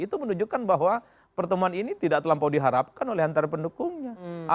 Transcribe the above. itu menunjukkan bahwa pertemuan ini tidak terlampau diharapkan oleh antara pendukungnya